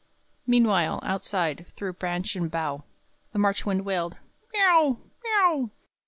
Meanwhile, outside, through branch and bough, The March wind wailed, "_M e o w! m e o w!